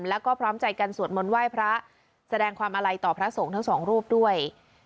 แล้วก็พร้อมใจกันสวดมนต์ไหว้พระแสดงความอาลัยต่อพระสงฆ์ทั้งสองรูปด้วย